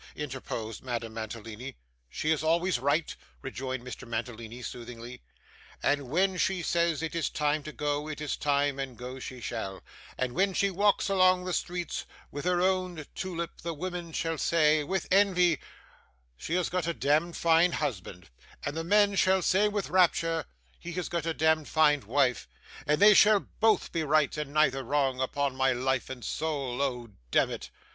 interposed Madame Mantalini. 'She is always right,' rejoined Mr. Mantalini soothingly, 'and when she says it is time to go, it is time, and go she shall; and when she walks along the streets with her own tulip, the women shall say, with envy, she has got a demd fine husband; and the men shall say with rapture, he has got a demd fine wife; and they shall both be right and neither wrong, upon my life and soul oh demmit!